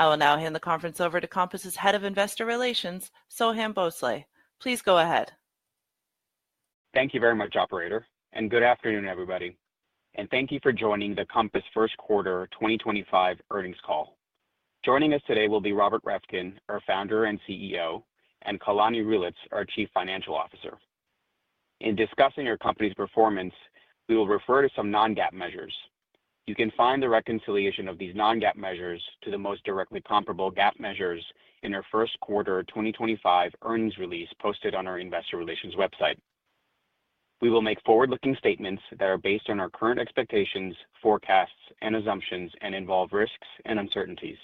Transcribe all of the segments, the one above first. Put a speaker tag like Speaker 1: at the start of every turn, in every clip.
Speaker 1: I will now hand the conference over to Compass's Head of Investor Relations, Soham Bhonsle. Please go ahead.
Speaker 2: Thank you very much, Operator, and good afternoon, everybody. Thank you for joining the Compass First Quarter 2025 Earnings Call. Joining us today will be Robert Reffkin, our Founder and CEO, and Kalani Reelitz, our Chief Financial Officer. In discussing our company's performance, we will refer to some non-GAAP measures. You can find the reconciliation of these non-GAAP measures to the most directly comparable GAAP measures in our First Quarter 2025 earnings release posted on our Investor Relations website. We will make forward-looking statements that are based on our current expectations, forecasts, and assumptions, and involve risks and uncertainties.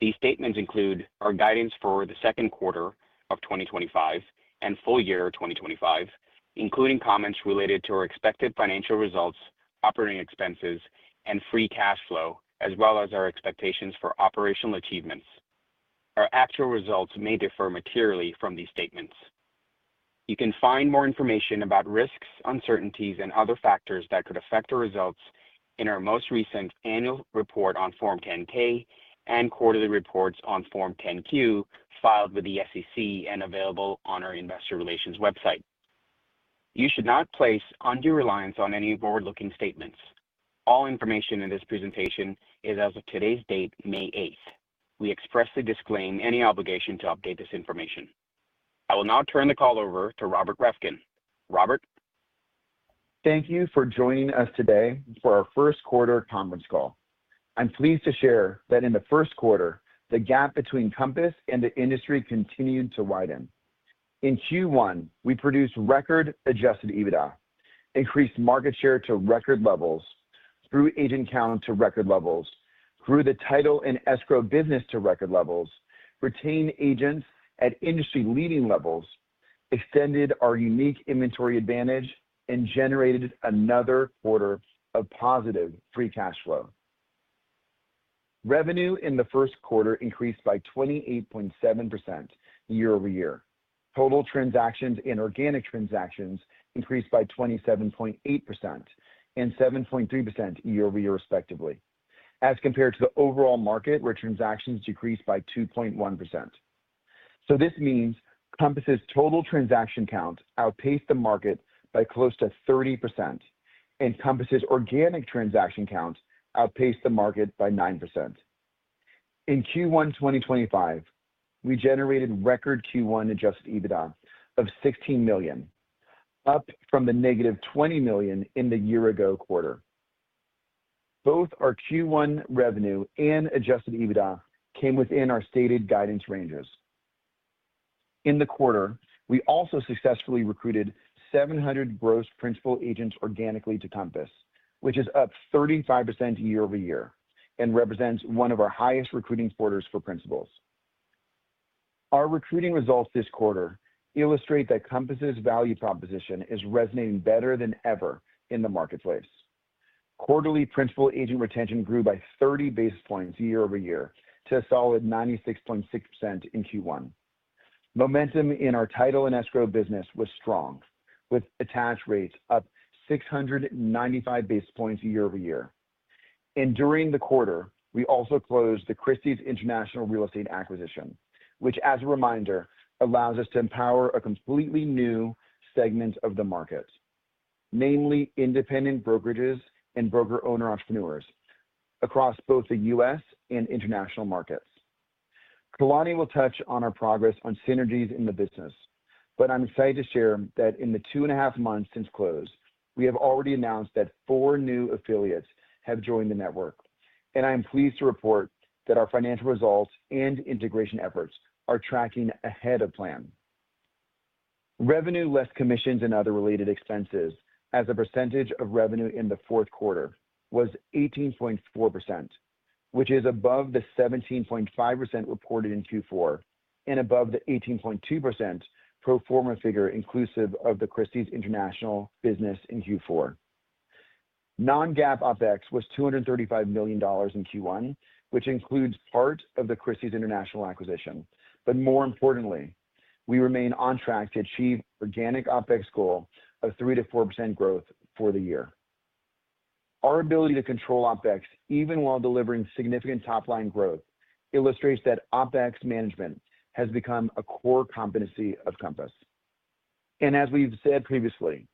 Speaker 2: These statements include our guidance for the second quarter of 2025 and full year 2025, including comments related to our expected financial results, operating expenses, and free cash flow, as well as our expectations for operational achievements. Our actual results may differ materially from these statements. You can find more information about risks, uncertainties, and other factors that could affect our results in our most recent annual report on Form 10-K and quarterly reports on Form 10-Q filed with the SEC and available on our Investor Relations website. You should not place undue reliance on any forward-looking statements. All information in this presentation is as of today's date, May 8th. We expressly disclaim any obligation to update this information. I will now turn the call over to Robert Reffkin. Robert?
Speaker 3: Thank you for joining us today for our First Quarter Conference Call. I'm pleased to share that in the first quarter, the gap between Compass and the industry continued to widen. In Q1, we produced record-adjusted EBITDA, increased market share to record levels, grew agent count to record levels, grew the title and escrow business to record levels, retained agents at industry-leading levels, extended our unique inventory advantage, and generated another quarter of positive free cash flow. Revenue in the first quarter increased by 28.7% year-over-year. Total transactions and organic transactions increased by 27.8% and 7.3% year-over-year, respectively, as compared to the overall market, where transactions decreased by 2.1%. This means Compass's total transaction count outpaced the market by close to 30%, and Compass's organic transaction count outpaced the market by 9%. In Q1 2025, we generated record Q1 adjusted EBITDA of $16 million, up from the negative $20 million in the year-ago quarter. Both our Q1 revenue and adjusted EBITDA came within our stated guidance ranges. In the quarter, we also successfully recruited 700 gross principal agents organically to Compass, which is up 35% year-over-year and represents one of our highest recruiting quarters for principals. Our recruiting results this quarter illustrate that Compass's value proposition is resonating better than ever in the marketplace. Quarterly principal agent retention grew by 30 basis points year-over-year to a solid 96.6% in Q1. Momentum in our title and escrow business was strong, with attached rates up 695 basis points year-over-year. During the quarter, we also closed the Christie's International Real Estate acquisition, which, as a reminder, allows us to empower a completely new segment of the market, namely independent brokerages and broker-owner entrepreneurs across both the U.S. and international markets. Kalani will touch on our progress on synergies in the business, but I'm excited to share that in the two and a half months since close, we have already announced that four new affiliates have joined the network, and I am pleased to report that our financial results and integration efforts are tracking ahead of plan. Revenue, less commissions and other related expenses, as a percentage of revenue in the fourth quarter, was 18.4%, which is above the 17.5% reported in Q4 and above the 18.2% pro forma figure inclusive of the Christie's International business in Q4. Non-GAAP OpEx was $235 million in Q1, which includes part of the Christie's International acquisition. More importantly, we remain on track to achieve organic OpEx goal of 3-4% growth for the year. Our ability to control OpEx, even while delivering significant top-line growth, illustrates that OpEx management has become a core competency of Compass. As we've said previously,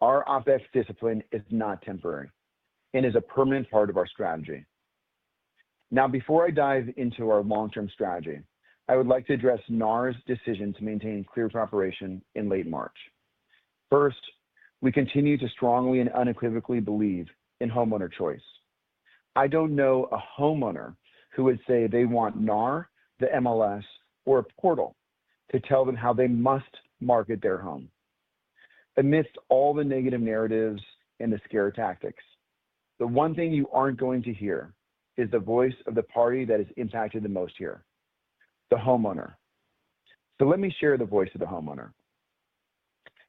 Speaker 3: our OpEx discipline is not temporary and is a permanent part of our strategy. Now, before I dive into our long-term strategy, I would like to address NAR's decision to maintain clear cooperation in late March. First, we continue to strongly and unequivocally believe in homeowner choice. I don't know a homeowner who would say they want NAR, the MLS, or a portal to tell them how they must market their home. Amidst all the negative narratives and the scare tactics, the one thing you aren't going to hear is the voice of the party that is impacted the most here: the homeowner. Let me share the voice of the homeowner.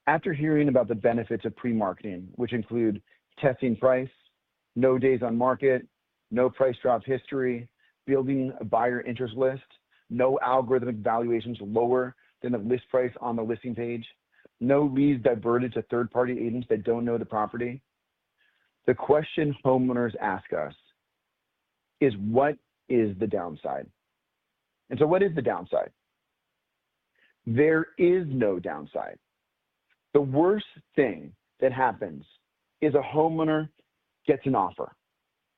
Speaker 3: After hearing about the benefits of pre-marketing, which include testing price, no days on market, no price drop history, building a buyer interest list, no algorithmic valuations lower than the list price on the listing page, no leads diverted to third-party agents that don't know the property, the question homeowners ask us is, "What is the downside?" What is the downside? There is no downside. The worst thing that happens is a homeowner gets an offer,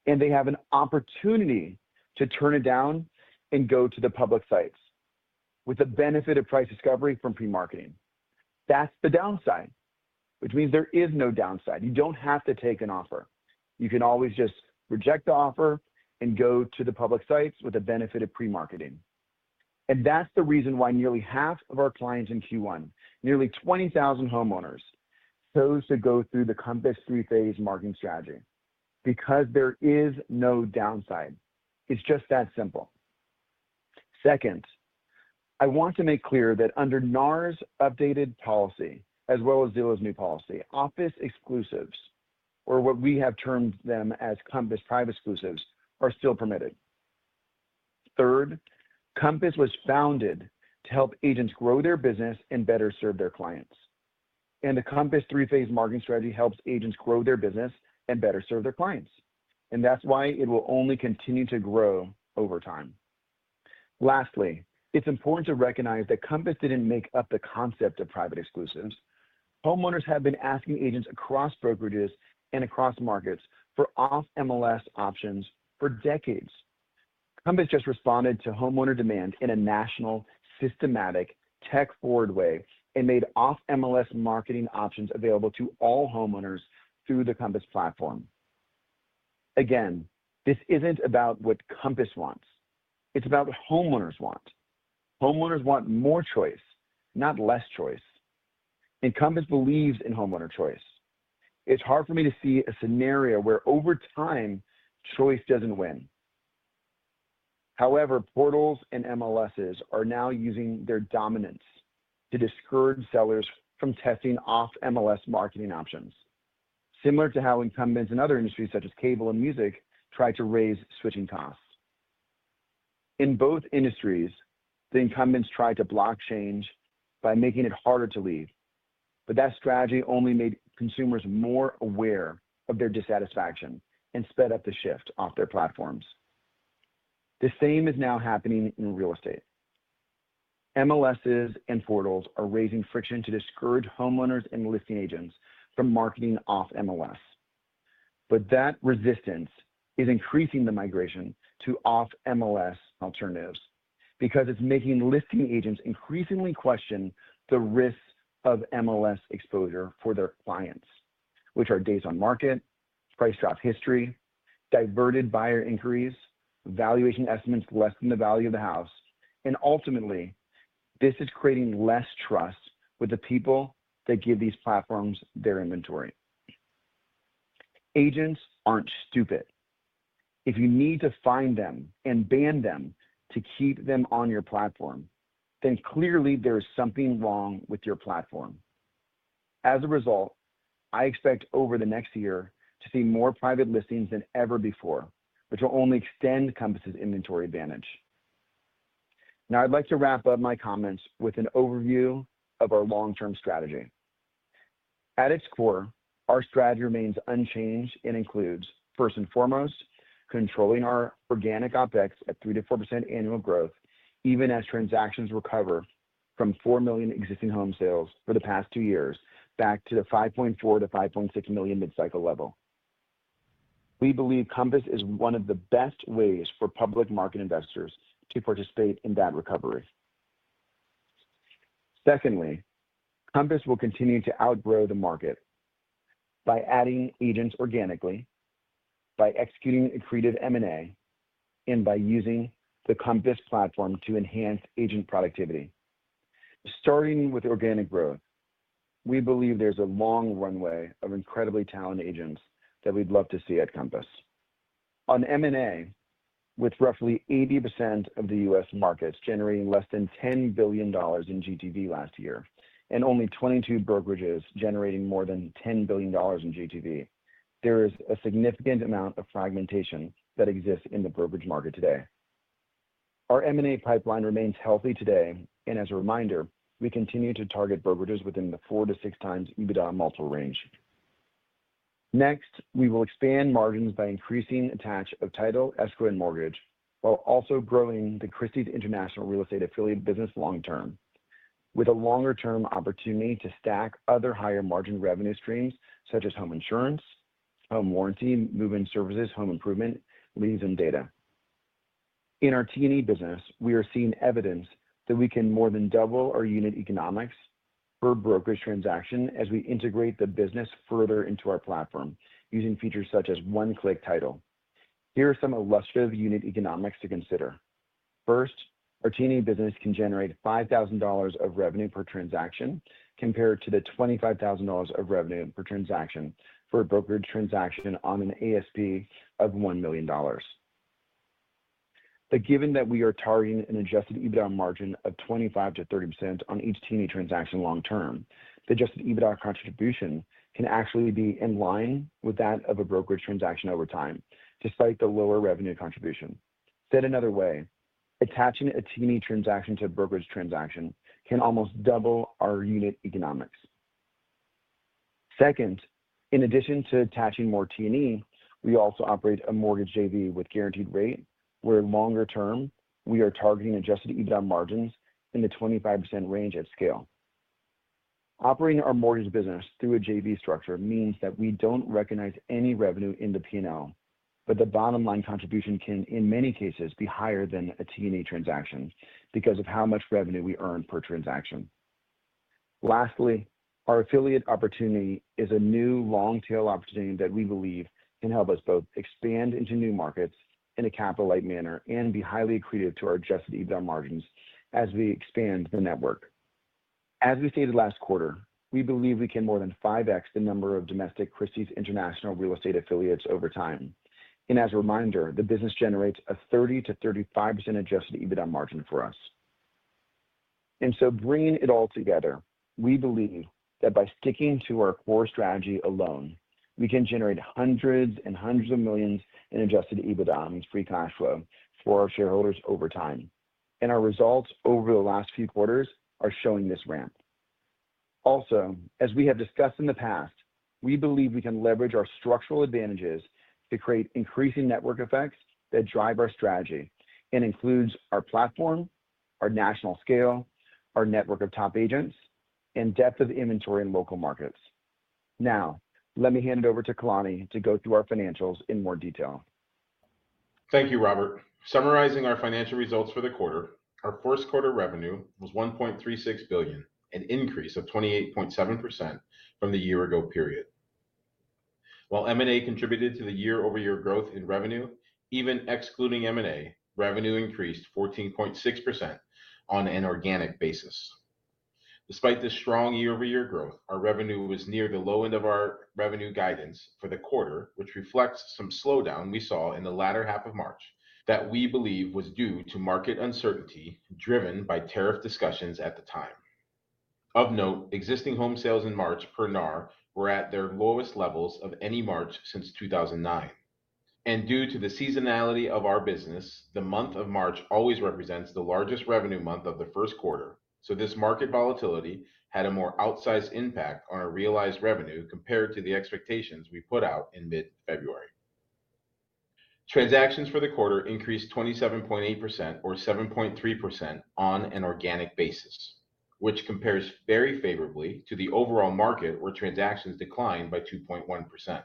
Speaker 3: and they have an opportunity to turn it down and go to the public sites with the benefit of price discovery from pre-marketing. That's the downside, which means there is no downside. You don't have to take an offer. You can always just reject the offer and go to the public sites with the benefit of pre-marketing. That's the reason why nearly half of our clients in Q1, nearly 20,000 homeowners, chose to go through the Compass three-phase marketing strategy, because there is no downside. It's just that simple. Second, I want to make clear that under NAR's updated policy, as well as Zillow's new policy, office exclusives, or what we have termed them as Compass private exclusives, are still permitted. Third, Compass was founded to help agents grow their business and better serve their clients. The Compass three-phase marketing strategy helps agents grow their business and better serve their clients. That's why it will only continue to grow over time. Lastly, it's important to recognize that Compass didn't make up the concept of private exclusives. Homeowners have been asking agents across brokerages and across markets for off-MLS options for decades. Compass just responded to homeowner demand in a national, systematic, tech-forward way and made off-MLS marketing options available to all homeowners through the Compass platform. Again, this is not about what Compass wants. It is about what homeowners want. Homeowners want more choice, not less choice. Compass believes in homeowner choice. It is hard for me to see a scenario where over time, choice does not win. However, portals and MLSs are now using their dominance to discourage sellers from testing off-MLS marketing options, similar to how incumbents in other industries, such as cable and music, try to raise switching costs. In both industries, the incumbents try to block change by making it harder to leave. That strategy only made consumers more aware of their dissatisfaction and sped up the shift off their platforms. The same is now happening in real estate. MLSs and portals are raising friction to discourage homeowners and listing agents from marketing off-MLS. That resistance is increasing the migration to off-MLS alternatives because it is making listing agents increasingly question the risks of MLS exposure for their clients, which are days on market, price drop history, diverted buyer inquiries, valuation estimates less than the value of the house. Ultimately, this is creating less trust with the people that give these platforms their inventory. Agents are not stupid. If you need to find them and ban them to keep them on your platform, then clearly there is something wrong with your platform. As a result, I expect over the next year to see more private listings than ever before, which will only extend Compass's inventory advantage. Now, I would like to wrap up my comments with an overview of our long-term strategy. At its core, our strategy remains unchanged and includes, first and foremost, controlling our organic OpEx at 3%-4% annual growth, even as transactions recover from $4 million existing home sales for the past two years back to the $5.4-$5.6 million mid-cycle level. We believe Compass is one of the best ways for public market investors to participate in that recovery. Secondly, Compass will continue to outgrow the market by adding agents organically, by executing accretive M&A, and by using the Compass platform to enhance agent productivity. Starting with organic growth, we believe there's a long runway of incredibly talented agents that we'd love to see at Compass. On M&A, with roughly 80% of the U.S. Markets generating less than $10 billion in GTV last year and only 22 brokerages generating more than $10 billion in GTV, there is a significant amount of fragmentation that exists in the brokerage market today. Our M&A pipeline remains healthy today. As a reminder, we continue to target brokerages within the four to six times EBITDA multiple range. Next, we will expand margins by increasing attach of title, escrow, and mortgage, while also growing the Christie's International Real Estate affiliate business long-term, with a longer-term opportunity to stack other higher-margin revenue streams, such as home insurance, home warranty, move-in services, home improvement, lease, and data. In our T&E business, we are seeing evidence that we can more than double our unit economics per brokerage transaction as we integrate the business further into our platform using features such as one-click title. Here are some illustrative unit economics to consider. First, our T&E business can generate $5,000 of revenue per transaction compared to the $25,000 of revenue per transaction for a brokerage transaction on an ASP of $1 million. Given that we are targeting an adjusted EBITDA margin of 25-30% on each T&E transaction long-term, the adjusted EBITDA contribution can actually be in line with that of a brokerage transaction over time, despite the lower revenue contribution. Said another way, attaching a T&E transaction to a brokerage transaction can almost double our unit economics. Second, in addition to attaching more T&E, we also operate a mortgage JV with Guaranteed Rate, where longer-term, we are targeting adjusted EBITDA margins in the 25% range at scale. Operating our mortgage business through a JV structure means that we do not recognize any revenue in the P&L, but the bottom-line contribution can, in many cases, be higher than a T&E transaction because of how much revenue we earn per transaction. Lastly, our affiliate opportunity is a new long-tail opportunity that we believe can help us both expand into new markets in a capital-light manner and be highly accretive to our adjusted EBITDA margins as we expand the network. As we stated last quarter, we believe we can more than 5x the number of domestic Christie's International Real Estate affiliates over time. As a reminder, the business generates a 30-35% adjusted EBITDA margin for us. Bringing it all together, we believe that by sticking to our core strategy alone, we can generate hundreds and hundreds of millions in adjusted EBITDA and free cash flow for our shareholders over time. Our results over the last few quarters are showing this ramp. Also, as we have discussed in the past, we believe we can leverage our structural advantages to create increasing network effects that drive our strategy and includes our platform, our national scale, our network of top agents, and depth of inventory in local markets. Now, let me hand it over to Kalani to go through our financials in more detail.
Speaker 4: Thank you, Robert. Summarizing our financial results for the quarter, our first quarter revenue was $1.36 billion, an increase of 28.7% from the year-ago period. While M&A contributed to the year-over-year growth in revenue, even excluding M&A, revenue increased 14.6% on an organic basis. Despite this strong year-over-year growth, our revenue was near the low end of our revenue guidance for the quarter, which reflects some slowdown we saw in the latter half of March that we believe was due to market uncertainty driven by tariff discussions at the time. Of note, existing home sales in March per NAR were at their lowest levels of any March since 2009. Due to the seasonality of our business, the month of March always represents the largest revenue month of the first quarter. This market volatility had a more outsized impact on our realized revenue compared to the expectations we put out in mid-February. Transactions for the quarter increased 27.8% or 7.3% on an organic basis, which compares very favorably to the overall market where transactions declined by 2.1%.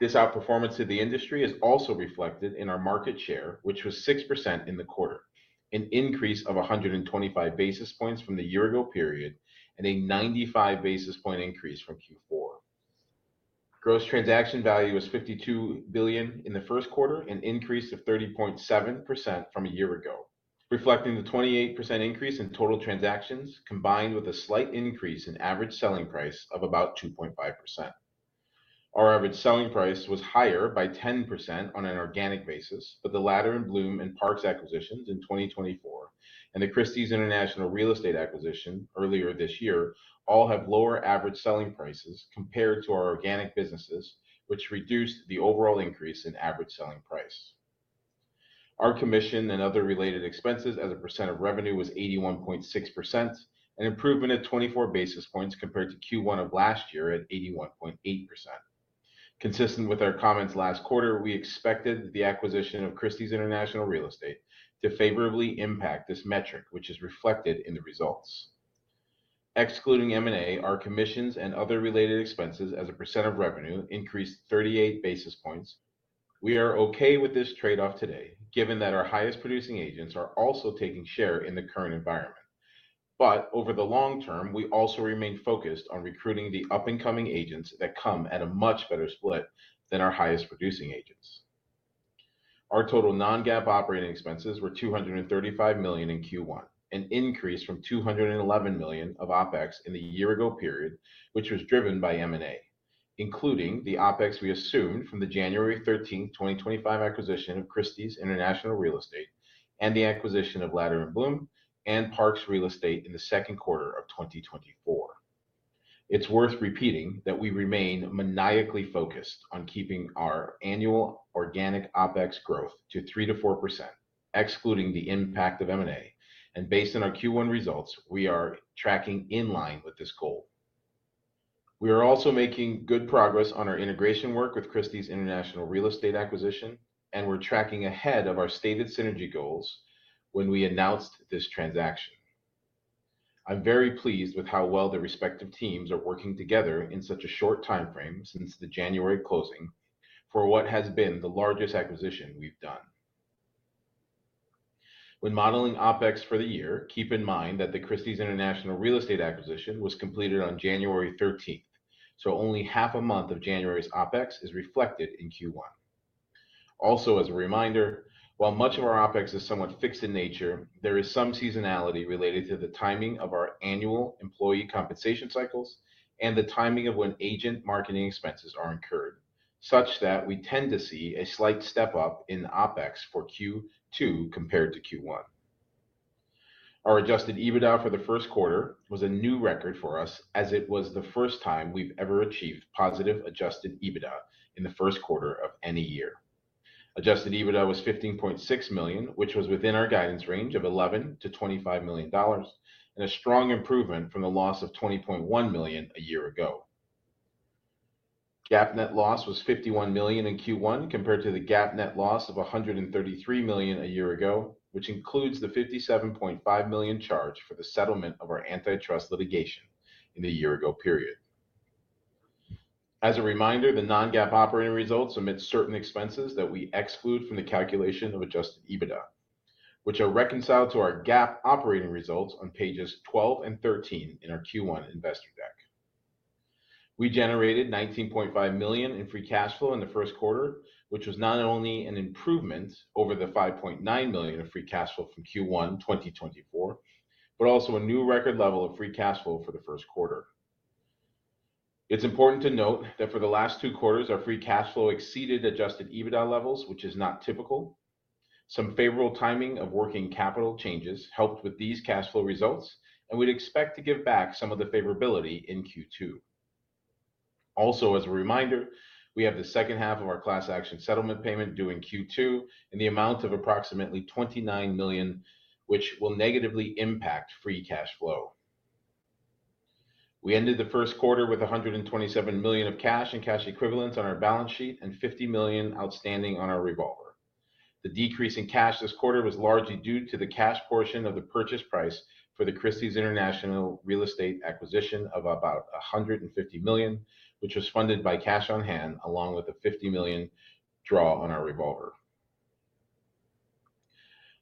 Speaker 4: This out-performance to the industry is also reflected in our market share, which was 6% in the quarter, an increase of 125 basis points from the year-ago period and a 95 basis point increase from Q4. Gross transaction value was $52 billion in the first quarter, an increase of 30.7% from a year ago, reflecting the 28% increase in total transactions combined with a slight increase in average selling price of about 2.5%. Our average selling price was higher by 10% on an organic basis, but the Latter & Blum and Parks acquisitions in 2024 and the Christie's International Real Estate acquisition earlier this year all have lower average selling prices compared to our organic businesses, which reduced the overall increase in average selling price. Our commission and other related expenses as a percent of revenue was 81.6%, an improvement of 24 basis points compared to Q1 of last year at 81.8%. Consistent with our comments last quarter, we expected the acquisition of Christie's International Real Estate to favorably impact this metric, which is reflected in the results. Excluding M&A, our commissions and other related expenses as a percent of revenue increased 38 basis points. We are okay with this trade-off today, given that our highest-producing agents are also taking share in the current environment. Over the long term, we also remain focused on recruiting the up-and-coming agents that come at a much better split than our highest-producing agents. Our total non-GAAP operating expenses were $235 million in Q1, an increase from $211 million of OpEx in the year-ago period, which was driven by M&A, including the OpEx we assumed from the January 13, 2025, acquisition of Christie's International Real Estate and the acquisition of Latter & Blum and Parks Real Estate in the second quarter of 2024. It is worth repeating that we remain maniacally focused on keeping our annual organic OpEx growth to 3-4%, excluding the impact of M&A. Based on our Q1 results, we are tracking in line with this goal. We are also making good progress on our integration work with the Christie's International Real Estate acquisition, and we are tracking ahead of our stated synergy goals when we announced this transaction. I'm very pleased with how well the respective teams are working together in such a short timeframe since the January closing for what has been the largest acquisition we've done. When modeling OpEx for the year, keep in mind that the Christie's International Real Estate acquisition was completed on January 13, so only half a month of January's OpEx is reflected in Q1. Also, as a reminder, while much of our OpEx is somewhat fixed in nature, there is some seasonality related to the timing of our annual employee compensation cycles and the timing of when agent marketing expenses are incurred, such that we tend to see a slight step up in OpEx for Q2 compared to Q1. Our adjusted EBITDA for the first quarter was a new record for us, as it was the first time we've ever achieved positive adjusted EBITDA in the first quarter of any year. Adjusted EBITDA was $15.6 million, which was within our guidance range of $11-$25 million, and a strong improvement from the loss of $20.1 million a year ago. GAAP net loss was $51 million in Q1 compared to the GAAP net loss of $133 million a year ago, which includes the $57.5 million charge for the settlement of our antitrust litigation in the year-ago period. As a reminder, the non-GAAP operating results omit certain expenses that we exclude from the calculation of adjusted EBITDA, which are reconciled to our GAAP operating results on pages 12 and 13 in our Q1 investor deck. We generated $19.5 million in free cash flow in the first quarter, which was not only an improvement over the $5.9 million of free cash flow from Q1 2024, but also a new record level of free cash flow for the first quarter. It's important to note that for the last two quarters, our free cash flow exceeded adjusted EBITDA levels, which is not typical. Some favorable timing of working capital changes helped with these cash flow results, and we'd expect to give back some of the favorability in Q2. Also, as a reminder, we have the second half of our class action settlement payment due in Q2 in the amount of approximately $29 million, which will negatively impact free cash flow. We ended the first quarter with $127 million of cash and cash equivalents on our balance sheet and $50 million outstanding on our revolver. The decrease in cash this quarter was largely due to the cash portion of the purchase price for the Christie's International Real Estate acquisition of about $150 million, which was funded by cash on hand along with a $50 million draw on our revolver.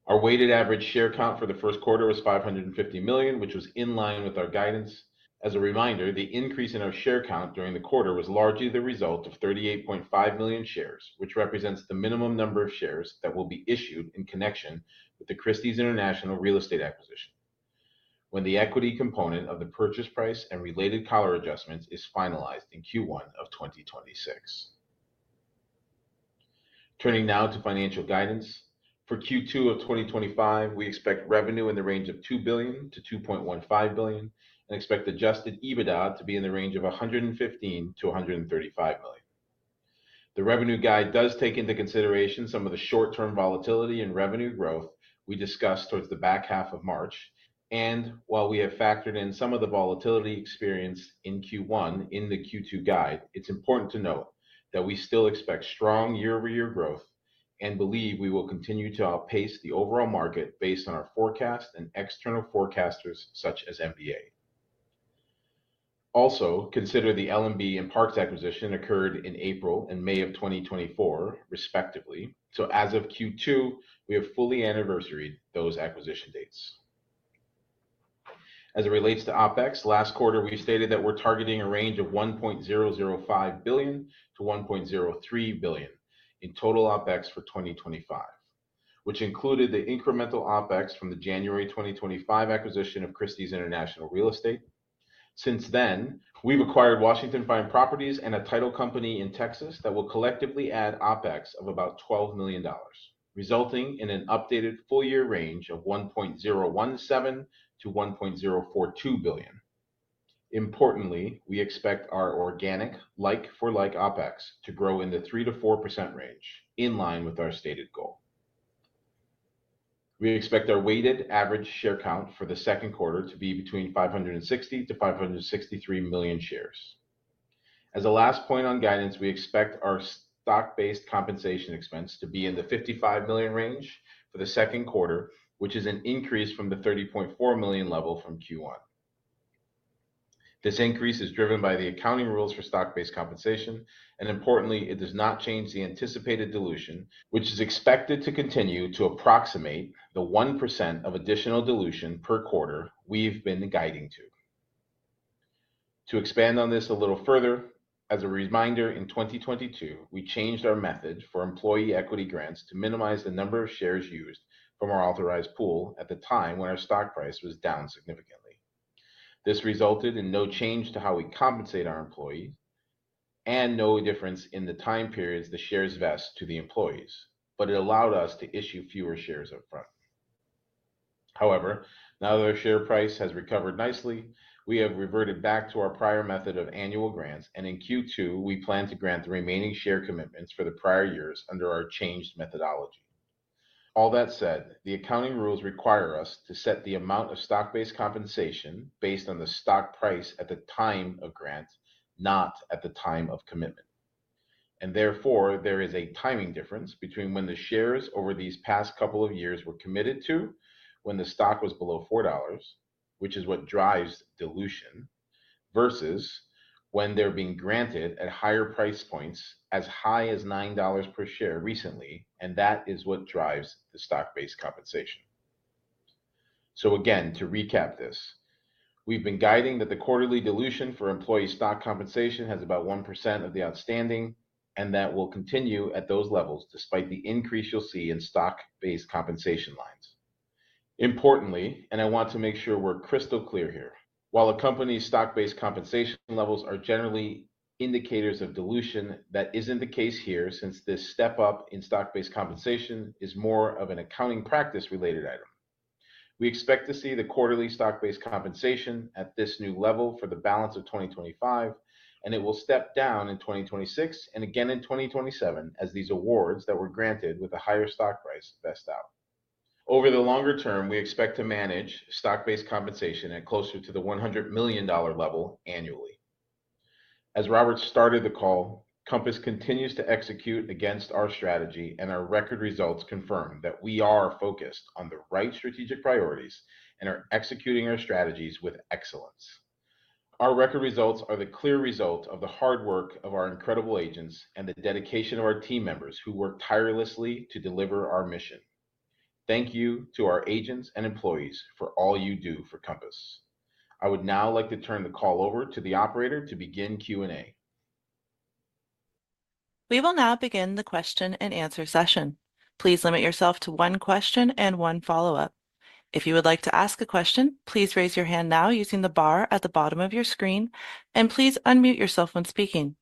Speaker 4: Our weighted average share count for the first quarter was $550 million, which was in line with our guidance. As a reminder, the increase in our share count during the quarter was largely the result of 38.5 million shares, which represents the minimum number of shares that will be issued in connection with the Christie's International Real Estate acquisition when the equity component of the purchase price and related collar adjustments is finalized in Q1 of 2026. Turning now to financial guidance, for Q2 of 2025, we expect revenue in the range of $2 billion to $2.15 billion and expect adjusted EBITDA to be in the range of $115 to $135 million. The revenue guide does take into consideration some of the short-term volatility in revenue growth we discussed towards the back half of March. While we have factored in some of the volatility experienced in Q1 in the Q2 guide, it's important to note that we still expect strong year-over-year growth and believe we will continue to outpace the overall market based on our forecast and external forecasters such as MBA. Also, consider the L&B and Parks acquisition occurred in April and May of 2024, respectively. As of Q2, we have fully anniversaried those acquisition dates. As it relates to OpEx, last quarter, we stated that we're targeting a range of $1.005 billion to $1.03 billion in total OpEx for 2025, which included the incremental OpEx from the January 2025 acquisition of Christie's International Real Estate. Since then, we've acquired Washington Fine Properties and a title company in Texas that will collectively add OpEx of about $12 million, resulting in an updated full-year range of $1.017 billion to $1.042 billion. Importantly, we expect our organic like-for-like OpEx to grow in the 3-4% range in line with our stated goal. We expect our weighted average share count for the second quarter to be between $560 to $563 million shares. As a last point on guidance, we expect our stock-based compensation expense to be in the $55 million range for the second quarter, which is an increase from the $30.4 million level from Q1. This increase is driven by the accounting rules for stock-based compensation. Importantly, it does not change the anticipated dilution, which is expected to continue to approximate the 1% of additional dilution per quarter we've been guiding to. To expand on this a little further, as a reminder, in 2022, we changed our method for employee equity grants to minimize the number of shares used from our authorized pool at the time when our stock price was down significantly. This resulted in no change to how we compensate our employees and no difference in the time periods the shares vest to the employees, but it allowed us to issue fewer shares upfront. However, now that our share price has recovered nicely, we have reverted back to our prior method of annual grants, and in Q2, we plan to grant the remaining share commitments for the prior years under our changed methodology. All that said, the accounting rules require us to set the amount of stock-based compensation based on the stock price at the time of grant, not at the time of commitment. Therefore, there is a timing difference between when the shares over these past couple of years were committed to when the stock was below $4, which is what drives dilution, versus when they're being granted at higher price points as high as $9 per share recently, and that is what drives the stock-based compensation. Again, to recap this, we've been guiding that the quarterly dilution for employee stock compensation has about 1% of the outstanding, and that will continue at those levels despite the increase you'll see in stock-based compensation lines. Importantly, and I want to make sure we're crystal clear here, while a company's stock-based compensation levels are generally indicators of dilution, that isn't the case here since this step up in stock-based compensation is more of an accounting practice-related item. We expect to see the quarterly stock-based compensation at this new level for the balance of 2025, and it will step down in 2026 and again in 2027 as these awards that were granted with a higher stock price vest out. Over the longer term, we expect to manage stock-based compensation at closer to the $100 million level annually. As Robert started the call, Compass continues to execute against our strategy, and our record results confirm that we are focused on the right strategic priorities and are executing our strategies with excellence. Our record results are the clear result of the hard work of our incredible agents and the dedication of our team members who work tirelessly to deliver our mission. Thank you to our agents and employees for all you do for Compass. I would now like to turn the call over to the operator to begin Q&A.
Speaker 1: We will now begin the Q&A session. Please limit yourself to one question and one follow-up. If you would like to ask a question, please raise your hand now using the bar at the bottom of your screen, and please unmute yourself when speaking.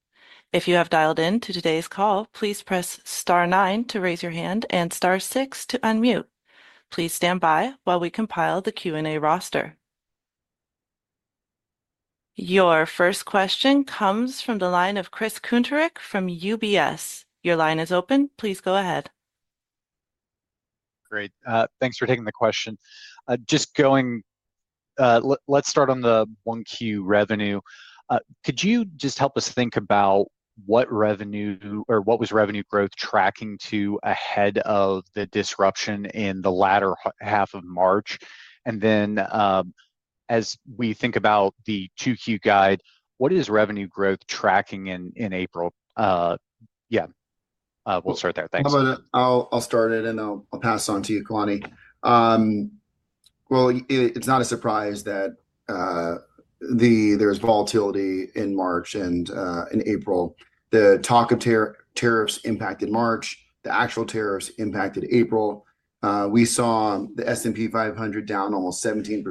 Speaker 1: If you have dialed into today's call, please press star nine to raise your hand and star six to unmute. Please stand by while we compile the Q&A roster. Your first question comes from the line of Chris Kuntarich from UBS. Your line is open. Please go ahead. Great.
Speaker 5: Thanks for taking the question. Just going, let's start on the 1Q revenue. Could you just help us think about what revenue or what was revenue growth tracking to ahead of the disruption in the latter half of March? As we think about the 2Q guide, what is revenue growth tracking in April? Yeah. We'll start there.
Speaker 3: Thanks. I'll start it, and I'll pass on to you, Kalani. It's not a surprise that there was volatility in March and in April. The talk of tariffs impacted March. The actual tariffs impacted April. We saw the S&P 500 down almost 17%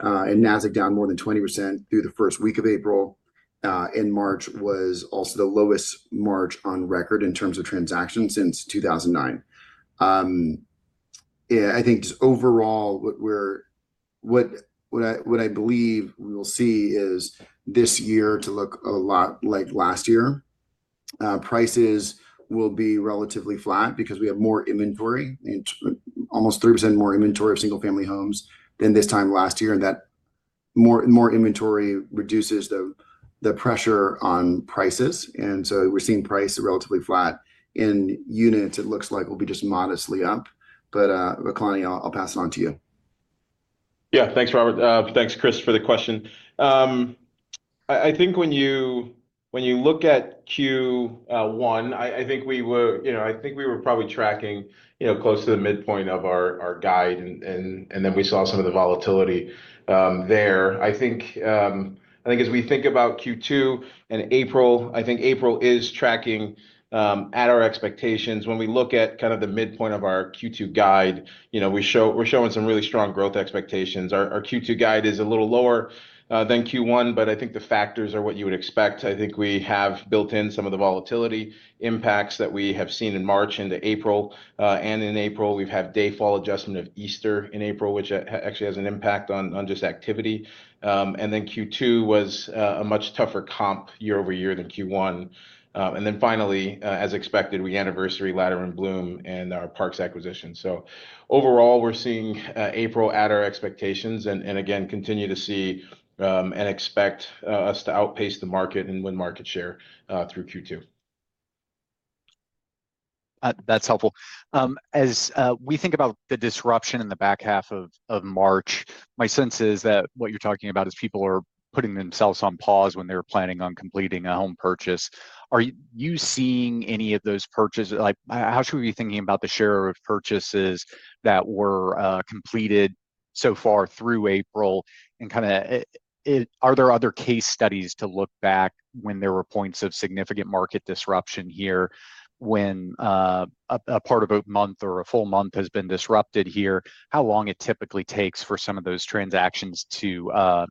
Speaker 3: and Nasdaq down more than 20% through the first week of April. March was also the lowest March on record in terms of transactions since 2009. I think just overall, what I believe we will see is this year to look a lot like last year. Prices will be relatively flat because we have more inventory, almost 3% more inventory of single-family homes than this time last year. That more inventory reduces the pressure on prices. We're seeing prices relatively flat. In units, it looks like we'll be just modestly up. But Kalani, I'll pass it on to you.
Speaker 4: Yeah. Thanks, Robert. Thanks, Chris, for the question. I think when you look at Q1, I think we were probably tracking close to the midpoint of our guide, and then we saw some of the volatility there. I think as we think about Q2 and April, I think April is tracking at our expectations. When we look at kind of the midpoint of our Q2 guide, we're showing some really strong growth expectations. Our Q2 guide is a little lower than Q1, but I think the factors are what you would expect. I think we have built in some of the volatility impacts that we have seen in March into April. In April, we've had the day fall adjustment of Easter in April, which actually has an impact on just activity. Q2 was a much tougher comp year over year than Q1. Finally, as expected, we anniversary Latter & Blum and our Parks acquisition. Overall, we're seeing April at our expectations and again, continue to see and expect us to outpace the market and win market share through Q2.
Speaker 5: That's helpful. As we think about the disruption in the back half of March, my sense is that what you're talking about is people are putting themselves on pause when they're planning on completing a home purchase. Are you seeing any of those purchases? How should we be thinking about the share of purchases that were completed so far through April? Are there other case studies to look back when there were points of significant market disruption here when a part of a month or a full month has been disrupted here, how long it typically takes for some of those transactions to end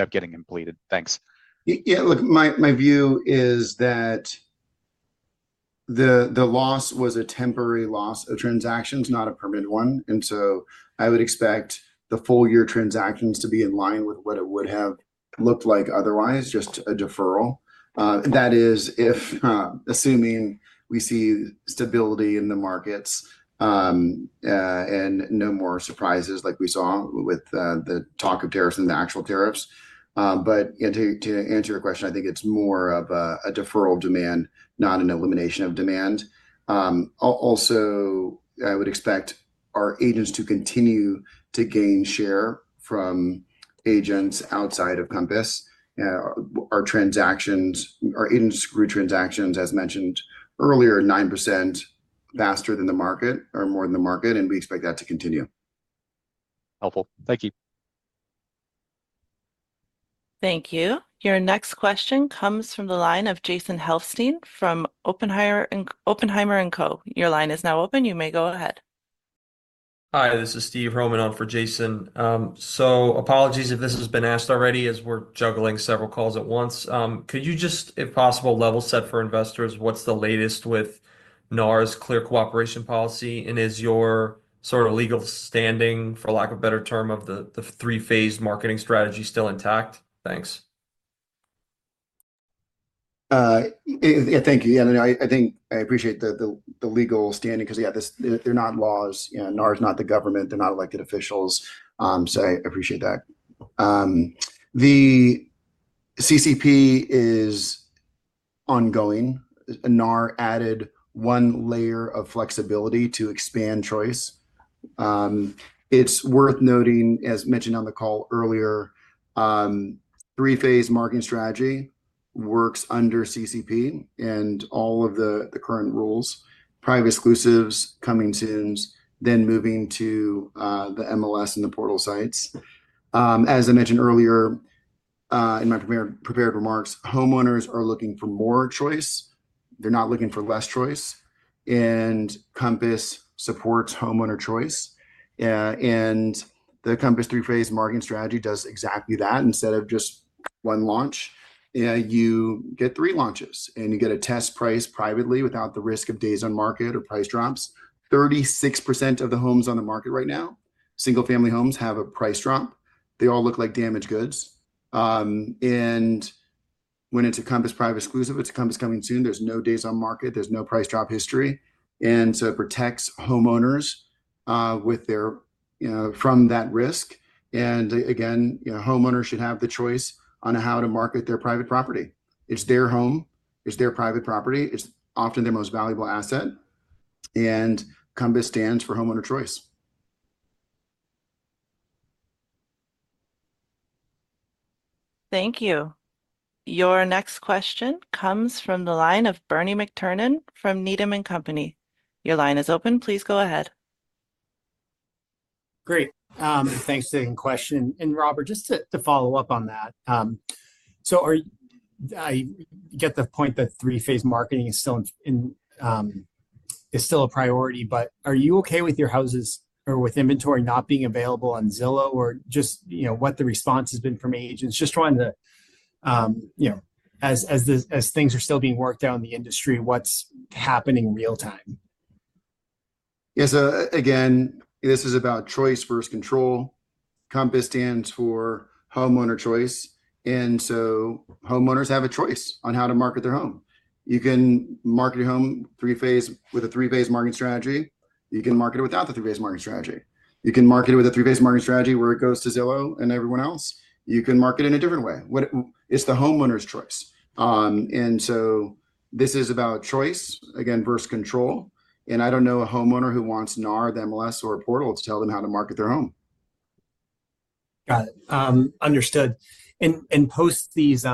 Speaker 5: up getting completed? Thanks.
Speaker 4: Yeah. Look, my view is that the loss was a temporary loss of transactions, not a permanent one. I would expect the full-year transactions to be in line with what it would have looked like otherwise, just a deferral. That is, assuming we see stability in the markets and no more surprises like we saw with the talk of tariffs and the actual tariffs. To answer your question, I think it is more of a deferral of demand, not an elimination of demand. Also, I would expect our agents to continue to gain share from agents outside of Compass. Our agents grew transactions, as mentioned earlier, 9% faster than the market or more than the market, and we expect that to continue.
Speaker 5: Helpful. Thank you.
Speaker 1: Thank you. Your next question comes from the line of Jason Helfstein from Oppenheimer & Co. Your line is now open. You may go ahead.
Speaker 6: Hi, this is Steve Romanov for Jason. Apologies if this has been asked already as we're juggling several calls at once. Could you just, if possible, level set for investors? What's the latest with NAR's clear cooperation policy? And is your sort of legal standing, for lack of a better term, of the three-phase marketing strategy still intact? Thanks. Yeah.
Speaker 3: Thank you. Yeah. I think I appreciate the legal standing because, yeah, they're not laws. NAR is not the government. They're not elected officials. I appreciate that. The CCP is ongoing. NAR added one layer of flexibility to expand choice. It's worth noting, as mentioned on the call earlier, three-phase marketing strategy works under CCP and all of the current rules, private exclusives, coming soons, then moving to the MLS and the portal sites. As I mentioned earlier in my prepared remarks, homeowners are looking for more choice. They're not looking for less choice. Compass supports homeowner choice. The Compass three-phase marketing strategy does exactly that. Instead of just one launch, you get three launches, and you get a test price privately without the risk of days on market or price drops. 36% of the homes on the market right now, single-family homes, have a price drop. They all look like damaged goods. When it's a Compass private exclusive, it's a Compass coming soon. There's no days on market. There's no price drop history. It protects homeowners from that risk. Again, homeowners should have the choice on how to market their private property. It's their home. It's their private property. It's often their most valuable asset. Compass stands for homeowner choice.
Speaker 1: Thank you. Your next question comes from the line of Bernie McTernan from Needham & Company. Your line is open. Please go ahead.
Speaker 7: Great. Thanks for the question. Robert, just to follow up on that. I get the point that three-phase marketing is still a priority, but are you okay with your houses or with inventory not being available on Zillow or just what the response has been from agents? Just trying to, as things are still being worked out in the industry, what's happening in real-time?
Speaker 3: Yeah. This is about choice versus control. Compass stands for homeowner choice. Homeowners have a choice on how to market their home. You can market your home with a three-phase marketing strategy. You can market it without the three-phase marketing strategy. You can market it with a three-phase marketing strategy where it goes to Zillow and everyone else. You can market it in a different way. It's the homeowner's choice. This is about choice, again, versus control. I don't know a homeowner who wants NAR, the MLS, or a portal to tell them how to market their home.
Speaker 7: Got it. Understood. Post these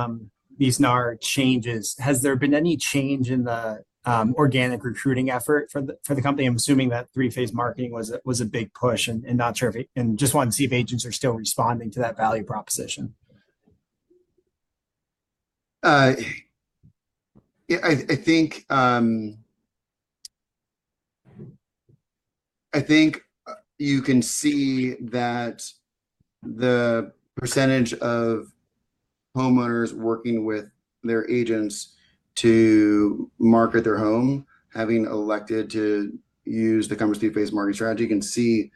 Speaker 7: NAR changes, has there been any change in the organic recruiting effort for the company? I'm assuming that three-phase marketing was a big push and not sure if it—and just wanted to see if agents are still responding to that value proposition?
Speaker 3: I think you can see that the percentage of homeowners working with their agents to market their home, having elected to use the Compass three-phase marketing strategy, you can see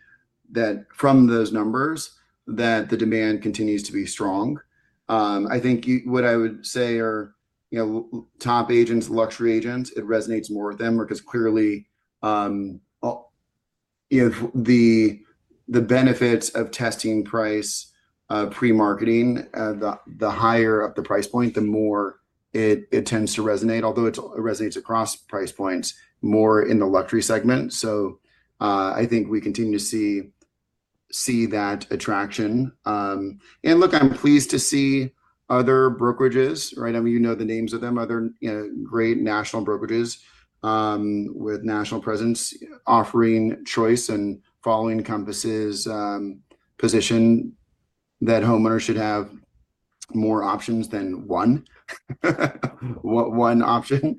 Speaker 3: that from those numbers that the demand continues to be strong. I think what I would say are top agents, luxury agents, it resonates more with them because clearly the benefits of testing price pre-marketing, the higher up the price point, the more it tends to resonate, although it resonates across price points more in the luxury segment. I think we continue to see that attraction. Look, I'm pleased to see other brokerages, right? I mean, you know the names of them, other great national brokerages with national presence offering choice and following Compass's position that homeowners should have more options than one option.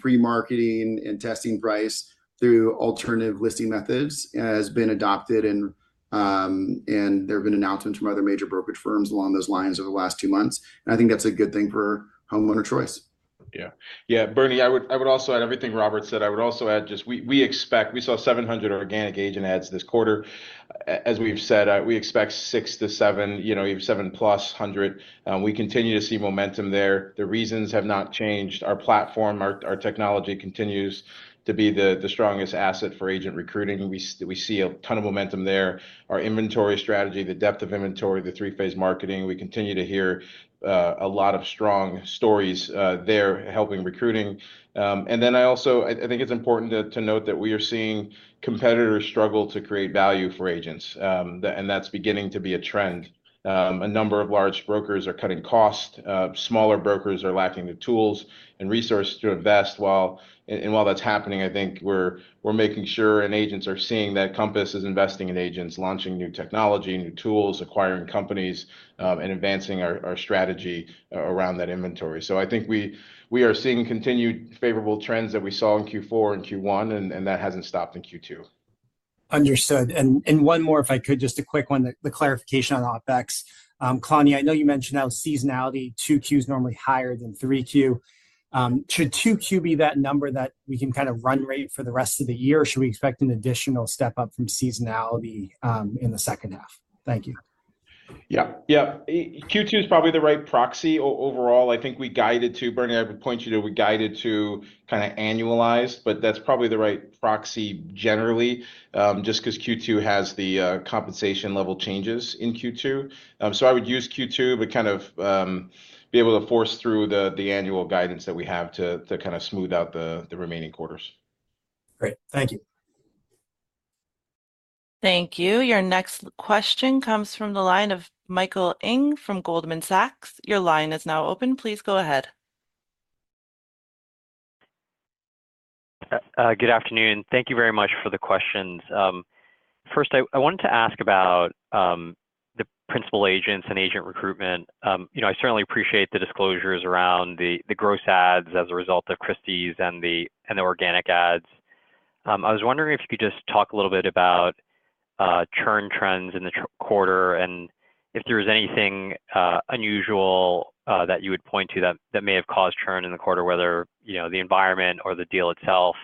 Speaker 3: Pre-marketing and testing price through alternative listing methods has been adopted, and there have been announcements from other major brokerage firms along those lines over the last two months. I think that's a good thing for homeowner choice.
Speaker 4: Yeah. Bernie, I would also add everything Robert said. I would also add just we saw 700 organic agent ads this quarter. As we've said, we expect six to seven, even seven plus hundred. We continue to see momentum there. The reasons have not changed. Our platform, our technology continues to be the strongest asset for agent recruiting. We see a ton of momentum there. Our inventory strategy, the depth of inventory, the three-phase marketing, we continue to hear a lot of strong stories there helping recruiting. I also think it's important to note that we are seeing competitors struggle to create value for agents, and that's beginning to be a trend. A number of large brokers are cutting costs. Smaller brokers are lacking the tools and resources to invest. While that's happening, I think we're making sure agents are seeing that Compass is investing in agents, launching new technology, new tools, acquiring companies, and advancing our strategy around that inventory. I think we are seeing continued favorable trends that we saw in Q4 and Q1, and that hasn't stopped in Q2.
Speaker 7: Understood. One more, if I could, just a quick one, the clarification on OpEx. Kalani, I know you mentioned now seasonality. Two Q is normally higher than 3Q. Should 2Q be that number that we can kind of run rate for the rest of the year? Should we expect an additional step up from seasonality in the second half? Thank you.
Speaker 4: Yeah. Yeah. Q2 is probably the right proxy overall. I think we guided to, Bernie, I would point you to, we guided to kind of annualized, but that's probably the right proxy generally just because Q2 has the compensation level changes in Q2. So I would use Q2 but kind of be able to force through the annual guidance that we have to kind of smooth out the remaining quarters.
Speaker 7: Great. Thank you.
Speaker 1: Thank you. Your next question comes from the line of Michael Ng from Goldman Sachs. Your line is now open. Please go ahead.
Speaker 8: Good afternoon. Thank you very much for the questions. First, I wanted to ask about the principal agents and agent recruitment. I certainly appreciate the disclosures around the gross ads as a result of Christie's and the organic ads. I was wondering if you could just talk a little bit about churn trends in the quarter and if there was anything unusual that you would point to that may have caused churn in the quarter, whether the environment or the deal itself?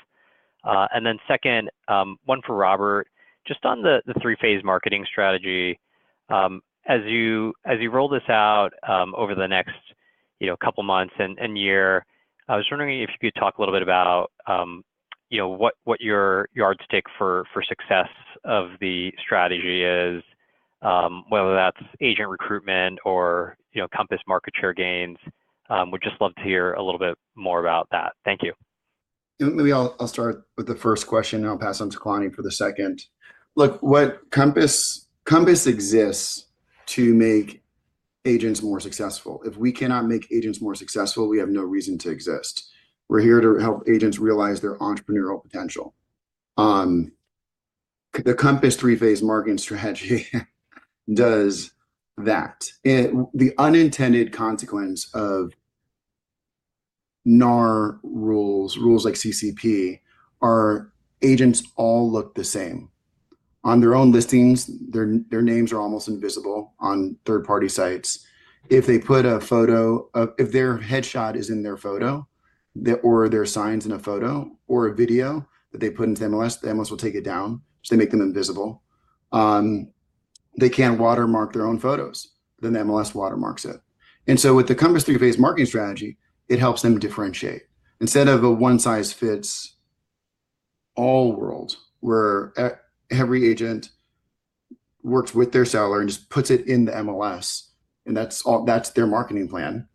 Speaker 8: Then second, one for Robert, just on the three-phase marketing strategy. As you roll this out over the next couple of months and year, I was wondering if you could talk a little bit about what your yardstick for success of the strategy is, whether that's agent recruitment or Compass market share gains? We'd just love to hear a little bit more about that. Thank you.
Speaker 3: Maybe I'll start with the first question, and I'll pass on to Kalani for the second. Look, Compass exists to make agents more successful. If we cannot make agents more successful, we have no reason to exist. We're here to help agents realize their entrepreneurial potential. The Compass three-phase marketing strategy does that. The unintended consequence of NAR rules, rules like CCP, are agents all look the same. On their own listings, their names are almost invisible on third-party sites. If they put a photo, if their headshot is in their photo or their signs in a photo or a video that they put into MLS, the MLS will take it down. They make them invisible. They can watermark their own photos, then the MLS watermarks it. With the Compass three-phase marketing strategy, it helps them differentiate. Instead of a one-size-fits-all world where every agent works with their salary and just puts it in the MLS, and that's their marketing plan,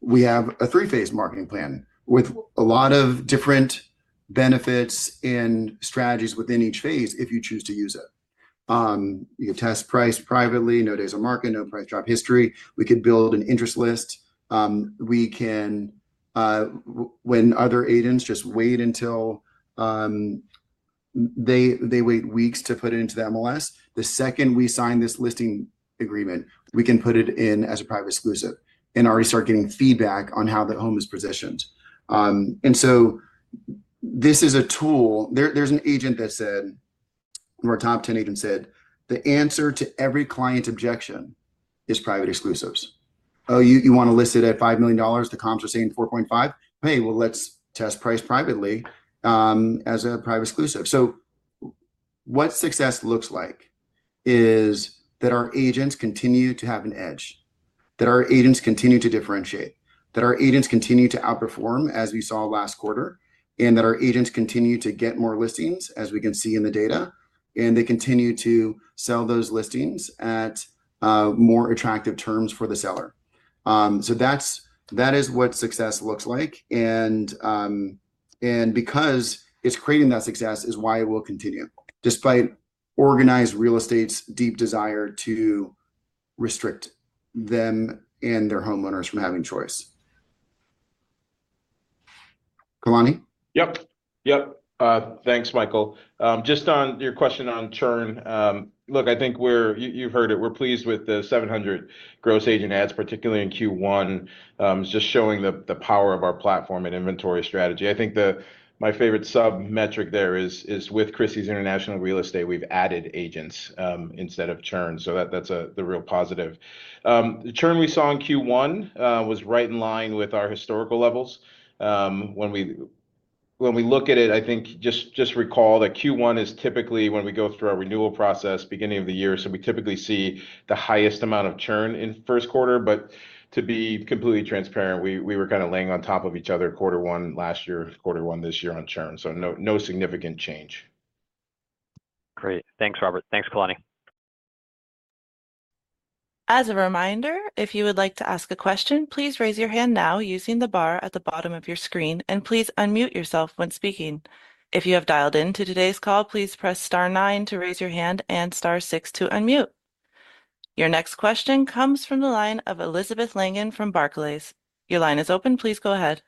Speaker 3: we have a three-phase marketing plan with a lot of different benefits and strategies within each phase if you choose to use it. You can test price privately, no days on market, no price drop history. We can build an interest list. When other agents just wait until they wait weeks to put it into the MLS, the second we sign this listing agreement, we can put it in as a private exclusive and already start getting feedback on how the home is positioned. This is a tool. There is an agent that said, or a top 10 agent said, "The answer to every client's objection is private exclusives." Oh, you want to list it at $5 million? The comps are saying $4.5 million? Hey, let's test price privately as a private exclusive. What success looks like is that our agents continue to have an edge, that our agents continue to differentiate, that our agents continue to outperform as we saw last quarter, that our agents continue to get more listings as we can see in the data, and they continue to sell those listings at more attractive terms for the seller. That is what success looks like. Because it's creating that success is why it will continue, despite organized real estate's deep desire to restrict them and their homeowners from having choice. Kalani?
Speaker 4: Yep. Yep. Thanks, Michael. Just on your question on churn, look, I think you've heard it. We're pleased with the 700 gross agent ads, particularly in Q1, just showing the power of our platform and inventory strategy. I think my favorite sub-metric there is with Christie's International Real Estate, we've added agents instead of churn. That's the real positive. The churn we saw in Q1 was right in line with our historical levels. When we look at it, I think just recall that Q1 is typically when we go through our renewal process beginning of the year. We typically see the highest amount of churn in first quarter. To be completely transparent, we were kind of laying on top of each other quarter one last year, quarter one this year on churn. No significant change.
Speaker 8: Great. Thanks, Robert. Thanks, Kalani.
Speaker 1: As a reminder, if you would like to ask a question, please raise your hand now using the bar at the bottom of your screen, and please unmute yourself when speaking. If you have dialed into today's call, please press star nine to raise your hand and star six to unmute. Your next question comes from the line of Elizabeth Langan from Barclays. Your line is open. Please go ahead.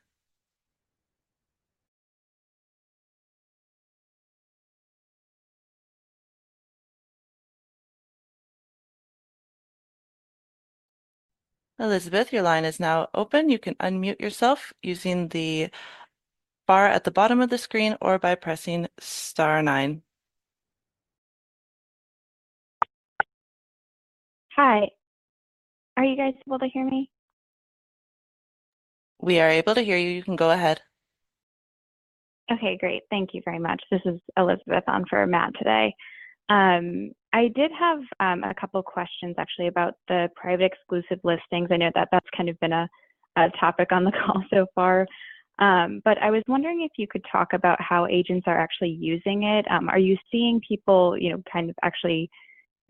Speaker 1: Elizabeth, your line is now open. You can unmute yourself using the bar at the bottom of the screen or by pressing star nine.
Speaker 9: Hi. Are you guys able to hear me?
Speaker 1: We are able to hear you. You can go ahead.
Speaker 9: Okay. Great. Thank you very much. This is Elizabeth on for Matt today. I did have a couple of questions actually about the private exclusive listings. I know that that's kind of been a topic on the call so far. I was wondering if you could talk about how agents are actually using it. Are you seeing people kind of actually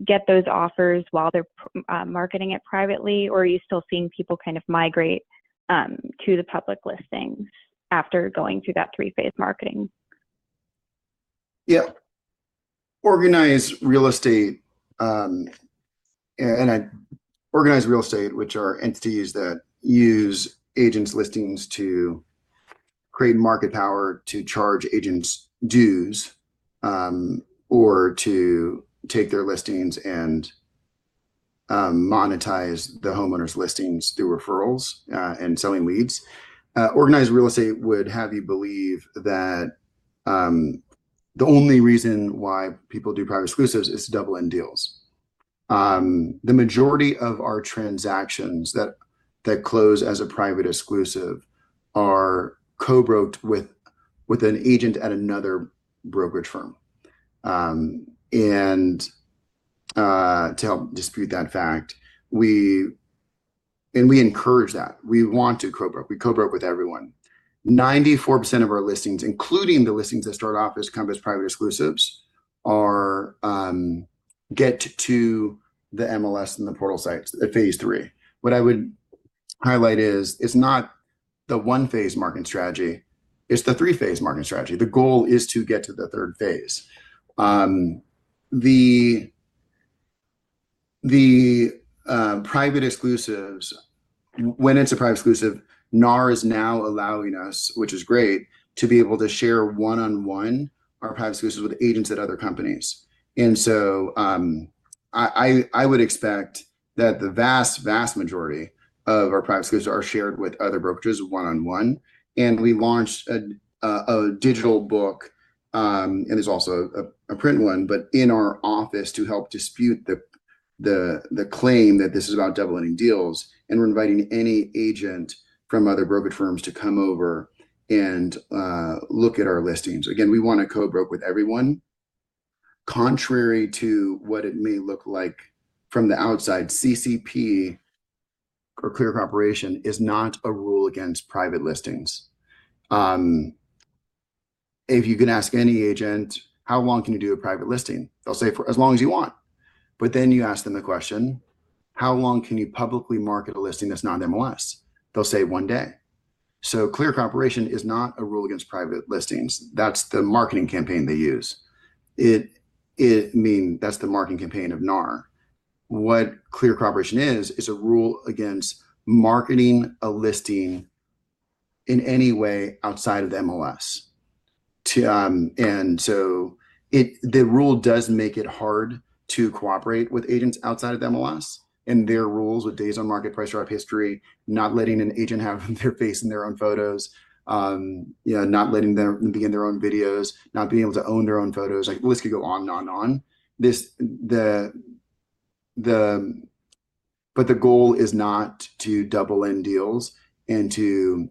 Speaker 9: get those offers while they're marketing it privately, or are you still seeing people kind of migrate to the public listings after going through that three-phase marketing?
Speaker 3: Yeah. Organized real estate and organized real estate, which are entities that use agents' listings to create market power to charge agents dues or to take their listings and monetize the homeowners' listings through referrals and selling leads. Organized real estate would have you believe that the only reason why people do private exclusives is to double-end deals. The majority of our transactions that close as a private exclusive are co-brokered with an agent at another brokerage firm. To help dispute that fact, we encourage that. We want to co-broker; we co-broker with everyone. 94% of our listings, including the listings that start off as Compass private exclusives, get to the MLS and the portal sites at phase three. What I would highlight is it's not the one-phase marketing strategy; it's the three-phase marketing strategy. The goal is to get to the third phase. The private exclusives, when it's a private exclusive, NAR is now allowing us, which is great, to be able to share one-on-one our private exclusives with agents at other companies. I would expect that the vast, vast majority of our private exclusives are shared with other brokerages one-on-one. We launched a digital book, and there's also a print one, but in our office to help dispute the claim that this is about double-ending deals. We are inviting any agent from other brokerage firms to come over and look at our listings. Again, we want to co-broker with everyone. Contrary to what it may look like from the outside, CCP or clear cooperation is not a rule against private listings. If you can ask any agent, "How long can you do a private listing?" they'll say, "For as long as you want." But then you ask them the question, "How long can you publicly market a listing that's not an MLS?" they'll say, "One day." So clear cooperation is not a rule against private listings. That's the marketing campaign they use. I mean, that's the marketing campaign of NAR. What clear cooperation is, is a rule against marketing a listing in any way outside of the MLS. And so the rule does make it hard to cooperate with agents outside of the MLS and their rules with days on market, price drop history, not letting an agent have their face in their own photos, not letting them begin their own videos, not being able to own their own photos. The list could go on and on and on. The goal is not to double-end deals and to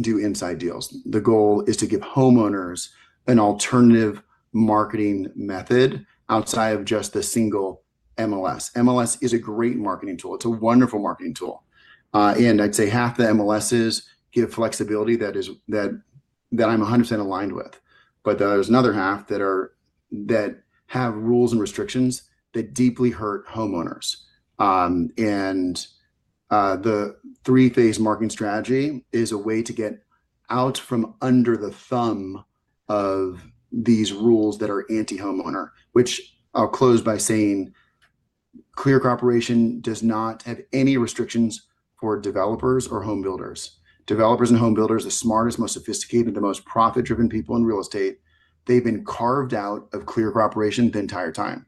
Speaker 3: do inside deals. The goal is to give homeowners an alternative marketing method outside of just the single MLS. MLS is a great marketing tool. It's a wonderful marketing tool. I'd say half the MLSs give flexibility that I'm 100% aligned with. There's another half that have rules and restrictions that deeply hurt homeowners. The three-phase marketing strategy is a way to get out from under the thumb of these rules that are anti-homeowner, which I'll close by saying clear cooperation does not have any restrictions for developers or home builders. Developers and home builders, the smartest, most sophisticated, and the most profit-driven people in real estate, they've been carved out of clear cooperation the entire time.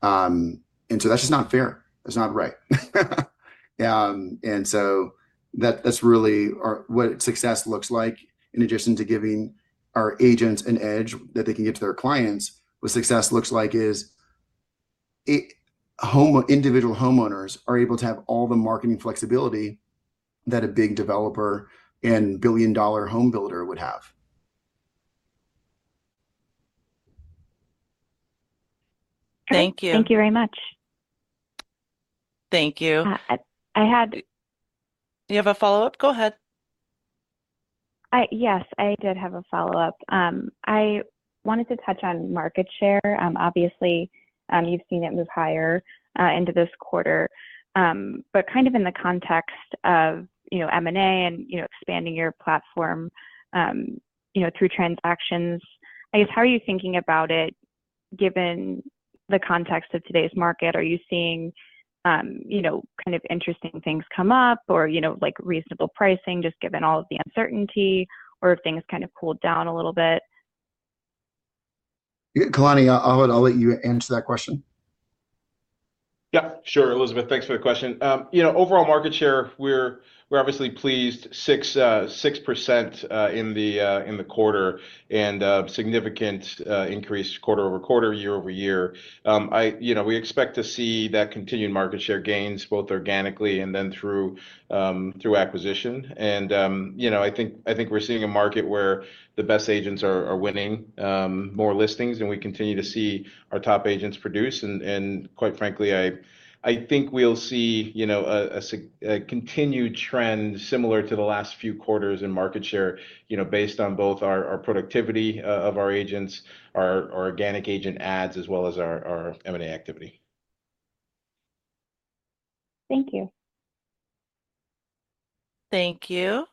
Speaker 3: That's just not fair. That's not right. That is really what success looks like in addition to giving our agents an edge that they can get to their clients. What success looks like is individual homeowners are able to have all the marketing flexibility that a big developer and billion-dollar home builder would have.
Speaker 1: Thank you.
Speaker 9: Thank you very much.
Speaker 1: Thank you. I had. Do you have a follow-up? Go ahead.
Speaker 9: Yes, I did have a follow-up. I wanted to touch on market share. Obviously, you have seen it move higher into this quarter. Kind of in the context of M&A and expanding your platform through transactions, I guess, how are you thinking about it given the context of today's market? Are you seeing kind of interesting things come up or reasonable pricing just given all of the uncertainty or if things have kind of cooled down a little bit?
Speaker 3: Kalani, I will let you answer that question.
Speaker 4: Yeah. Sure. Elizabeth, thanks for the question. Overall market share, we're obviously pleased, 6% in the quarter and significant increase quarter-over-quarter, year-over year. We expect to see that continued market share gains both organically and then through acquisition. I think we're seeing a market where the best agents are winning more listings, and we continue to see our top agents produce. Quite frankly, I think we'll see a continued trend similar to the last few quarters in market share based on both our productivity of our agents, our organic agent ads, as well as our M&A activity.
Speaker 9: Thank you.
Speaker 1: Thank you.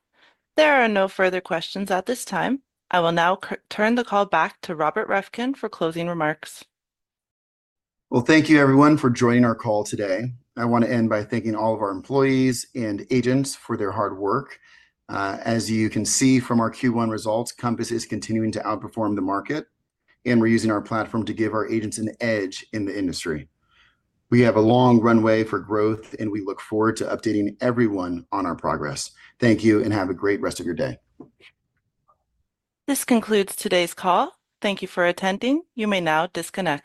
Speaker 1: There are no further questions at this time. I will now turn the call back to Robert Reffkin for closing remarks.
Speaker 3: Thank you, everyone, for joining our call today. I want to end by thanking all of our employees and agents for their hard work. As you can see from our Q1 results, Compass is continuing to outperform the market, and we're using our platform to give our agents an edge in the industry. We have a long runway for growth, and we look forward to updating everyone on our progress. Thank you, and have a great rest of your day.
Speaker 1: This concludes today's call. Thank you for attending. You may now disconnect.